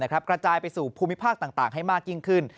กระจายไปสู่ภูมิภาคต่างให้มากยิ่งขึ้น